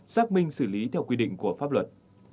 xác minh xử lý theo quy định của pháp luật